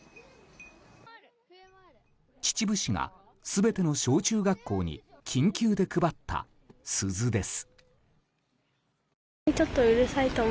秩父市が全ての小中学校に緊急で配った鈴です。